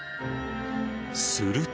すると。